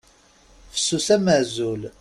Fessus am azul.